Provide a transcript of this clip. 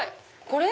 これ？